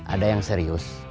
ada yang serius